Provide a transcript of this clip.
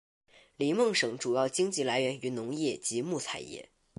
林梦省主要经济来源于农业及木材业。